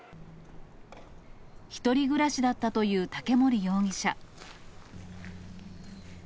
１人暮らしだったという竹森容疑者。